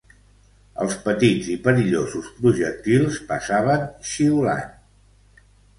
Els petits i perillosos projectils passaven xiulant